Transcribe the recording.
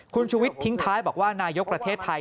คุณชูวิทย์ทิ้งท้ายบอกว่านายกประเทศไทย